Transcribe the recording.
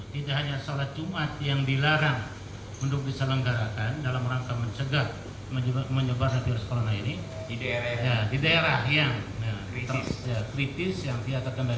di daerah yang kritis yang dia ketemani tadi